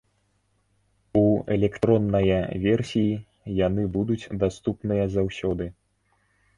У электронная версіі яны будуць даступныя заўсёды.